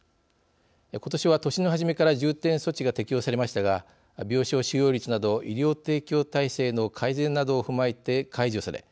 ことしは、年の初めから重点措置が適用されましたが病床使用率など医療提供体制の改善などを踏まえて解除され